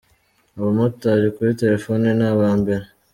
Abamotali kuri telefone ni aba mbere.